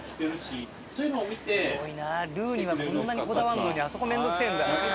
すごいなぁルーにはこんなにこだわんのにあそこめんどくせぇんだ。